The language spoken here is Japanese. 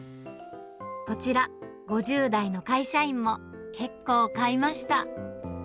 こちら、５０代の会社員も、結構買いました。